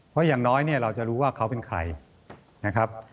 เพราะอย่างน้อยเนี่ยเราจะรู้ว่าเขาเป็นใครนะครับ